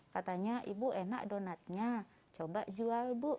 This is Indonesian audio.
katanya ibu enak donatnya coba jual bu